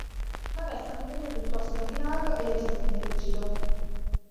Ma resta comunque piuttosto ordinario e leggermente rigido.